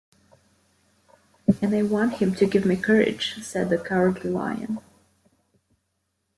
"And I want him to give me courage," said the Cowardly Lion.